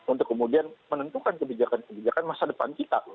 untuk kemudian menentukan kebijakan kebijakan masa depan kita